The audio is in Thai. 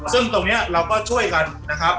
ซึ่งตรงนี้เราก็ช่วยกันนะครับ